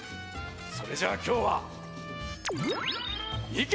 それじゃあきょうはいけ！